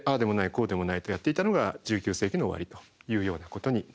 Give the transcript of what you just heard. こうでもないとやっていたのが１９世紀の終わりというようなことになります。